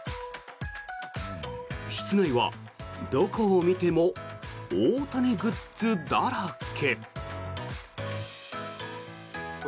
室内はどこを見ても大谷グッズだらけ。